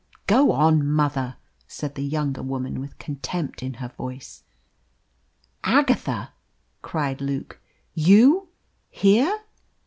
"Go on, mother," said the younger woman, with contempt in her voice. "Agatha!" cried Luke. "You here?"